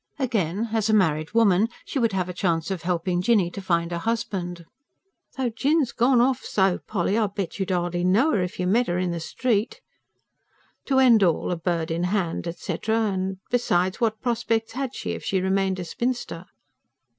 Again, as a married woman she would have a chance of helping Jinny to find a husband: "Though Jinn's gone off so, Polly, I bet you'd hardly know her if you met 'er in the street." To end all, a bird in hand, etc.; and besides, what prospects had she, if she remained a spinster?